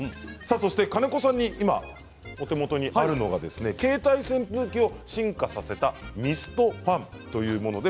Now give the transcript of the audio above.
金子さんの今お手元にあるのが携帯扇風機を進化させたミストファンというものです。